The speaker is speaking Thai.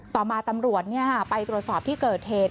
ต่อมาตำรวจไปตรวจสอบที่เกิดเหตุ